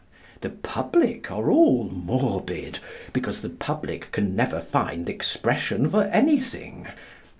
The public are all morbid, because the public can never find expression for anything.